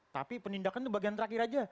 tapi penindakan itu bagian terakhir aja